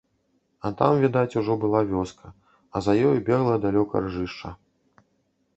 А там відаць ужо была вёска, а за ёю бегла далёка ржышча.